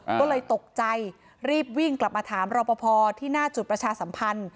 ก็เลยตกใจรีบวิ่งกลับมาถามรอปภที่หน้าจุดประชาสัมพันธ์